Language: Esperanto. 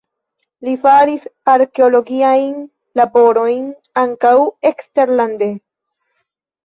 Li faris arkeologiajn laborojn ankaŭ eksterlande.